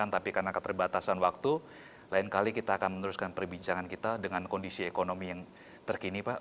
tapi karena keterbatasan waktu lain kali kita akan meneruskan perbincangan kita dengan kondisi ekonomi yang terkini pak